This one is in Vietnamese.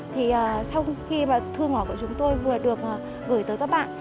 thì sau khi mà thư mỏ của chúng tôi vừa được gửi tới các bạn